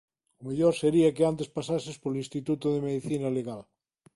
O mellor sería que antes pasases polo Instituto de Medicina Legal.